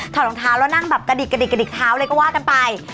ถอดรองเท้าแล้วนั่งแบบกระดิกกระดิกเท้าเลยก็วาดกันไป